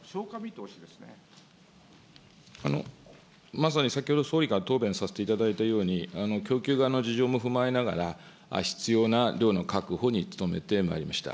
まさに先ほど総理が答弁させていただいたとおり、供給側の事情も踏まえながら、必要な量の確保に努めてまいりました。